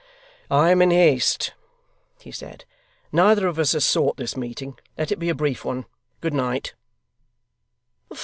'I am in haste,' he said. 'Neither of us has sought this meeting. Let it be a brief one. Good night!